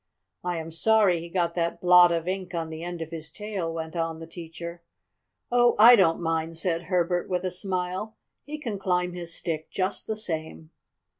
"I am sorry he got that blot of ink on the end of his tail," went on the teacher. "Oh, I don't mind," said Herbert, with a smile. "He can climb his stick just the same."